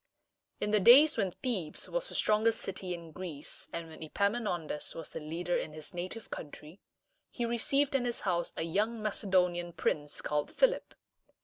In the days when Thebes was the strongest city in Greece, and when Epaminondas was the leader in his native country, he received in his house a young Mac e do´ ni an prince called Philip.